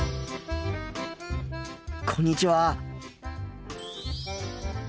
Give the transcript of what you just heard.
こんにちは。